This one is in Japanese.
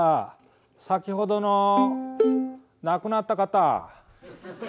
先ほどのなくなった方。